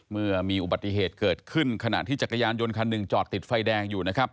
เมื่อมีอุบัติเหตุเกิดขึ้นขณะที่จักรยานยนต์คันหนึ่งจอดติดไฟแดงอยู่นะครับ